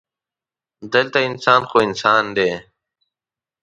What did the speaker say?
دلته انسان خو انسان دی.